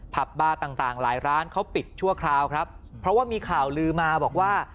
บาร์ต่างต่างหลายร้านเขาปิดชั่วคราวครับเพราะว่ามีข่าวลือมาบอกว่า